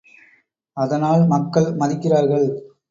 அதனால், மக்கள் மதிக்கிறார்கள்!